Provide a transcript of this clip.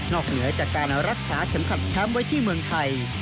เหนือจากการรักษาเข็มขัดแชมป์ไว้ที่เมืองไทย